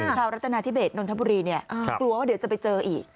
รัฐนาธิเบสนนทบุรีเนี่ยกลัวว่าเดี๋ยวจะไปเจออีก